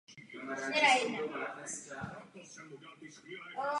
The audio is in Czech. Kritiky byl pozitivně přijat.